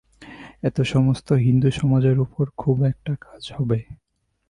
এতে সমস্ত হিন্দুসমাজের উপরে খুব একটা কাজ হবে।